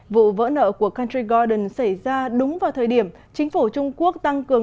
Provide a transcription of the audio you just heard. vụ vỡ nợ của country garden xảy ra đúng vào thời điểm chính phủ trung quốc tăng cường